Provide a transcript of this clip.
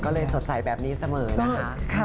ก็เลยสดใสแบบนี้เสมอนะคะ